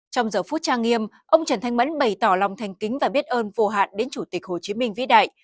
trong giờ phút trang nghiêm ông trần thanh mẫn bày tỏ lòng thành kính và biết ơn vô hạn đến chủ tịch hồ chí minh vĩ đại